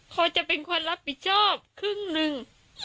เขาจะเป็นคนรับผิดชอบครึ่งหนึ่ง